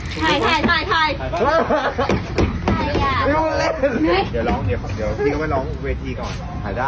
แปลงชอบ